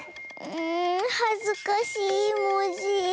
んはずかしいモジ。